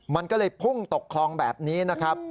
มันก็เลยพุ่งตกคลองแบบนี้นะครับ